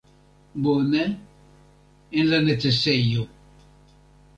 Bone, en la necesejo.